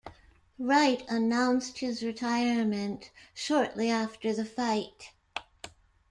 Wright announced his retirement shortly after the fight.